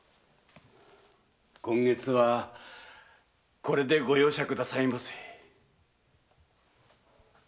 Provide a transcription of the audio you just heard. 今月はこれでご容赦くださいまし。